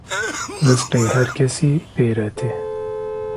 Rizqê her kesî pê re tê